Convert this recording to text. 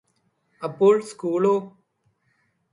അപ്പോൾ സ്കൂളോ